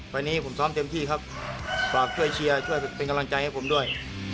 ไฟล์นี้ผมซ้อมเต็มที่ครับฝากช่วยเชียร์ช่วยเป็นกำลังใจให้ผมด้วย